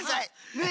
ねえ。